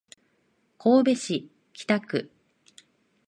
神戸市北区